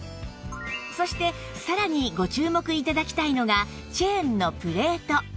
そしてさらにご注目頂きたいのがチェーンのプレート